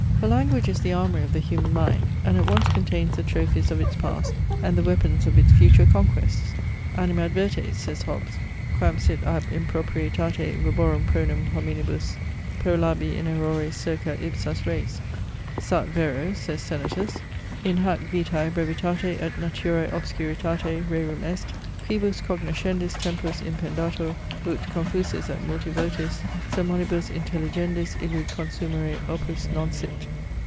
For language is the armoury of the human mind; and at once contains the trophies of its past, and the weapons of its future conquests. Animadverte, says Hobbes, quam sit ab improprietate verborum pronum hominihus prolabi in errores circa ipsas res! Sat [vero], says Sennertus, in hac vitae brevitate et naturae obscuritate, rerum est, quibus cognoscendis tempus impendatur, ut [confusis et multivotis] sermonibus intelligendis illud consumere opus non sit.